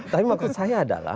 tapi maksud saya adalah